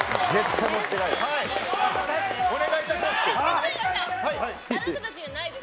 お願いいたします。